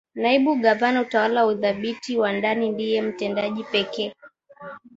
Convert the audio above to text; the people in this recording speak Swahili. naibu gavana utawala na udhibiti wa ndani ndiye mtendaji pekee